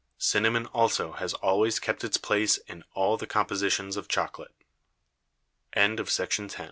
Cinnamon also has always kept its Place in all the Compositions of Chocolate. FOOTNOTES: [a] _Ne